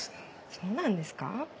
そうなんですか？